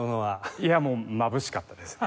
いやもうまぶしかったですね。